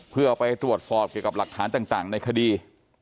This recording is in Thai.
เพื่อไปตรวจสอบเกี่ยวกับหลักฐานต่างในคดี